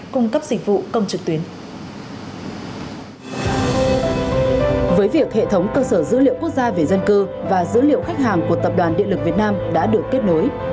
các cơ sở dữ liệu quốc gia về dân cư và dữ liệu khách hàng của tập đoàn điện lực việt nam đã được kết nối